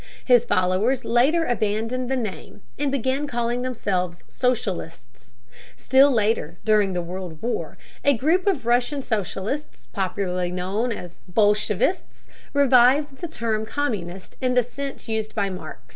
His followers later abandoned the name, and began calling themselves socialists. Still later, during the World War, a group of Russian socialists, popularly known as the bolshevists, revived the term communist in the sense used by Marx.